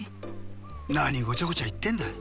なにごちゃごちゃいってんだ。